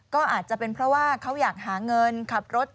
ก็อาจจะเป็นเพราะว่าเขาอยากหาเงินขับรถ